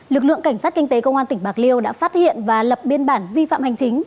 lực lượng cảnh sát kinh tế công an tỉnh bạc liêu đã phát hiện và lập biên bản vi phạm hành chính